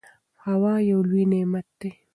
هوا یو لوی نعمت دی.